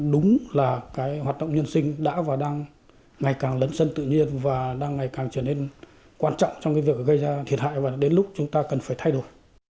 đúng là cái hoạt động nhân sinh đã và đang ngày càng lấn sân tự nhiên và đang ngày càng trở nên quan trọng trong cái việc gây ra thiệt hại và đến lúc chúng ta cần phải thay đổi